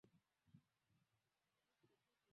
Ukisafiri, nenda salama